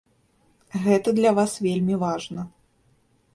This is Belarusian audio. Гэта для вас вельмі важна.